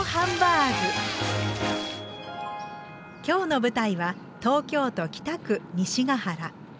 今日の舞台は東京都北区西ヶ原。